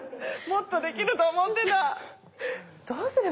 もっとできると思ってた。